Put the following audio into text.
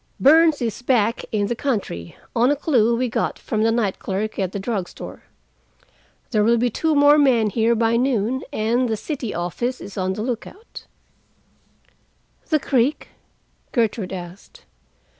"Burns is back in the country, on a clue we got from the night clerk at the drug store. There will be two more men here by noon, and the city office is on the lookout." "The creek?" Gertrude asked.